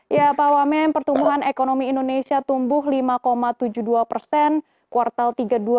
ya pak wamen pertumbuhan ekonomi indonesia tumbuh lima tujuh puluh dua persen kuartal tiga dua ribu dua puluh